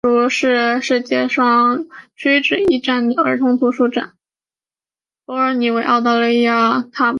伯尔尼为澳大利亚塔斯马尼亚州西北部的一个海港小镇。